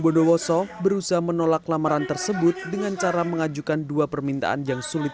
bondowoso berusaha menolak lamaran tersebut dengan cara mengajukan dua permintaan yang sulit